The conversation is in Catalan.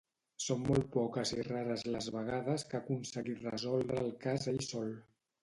Són molt poques i rares les vegades que ha aconseguit resoldre un cas ell sol.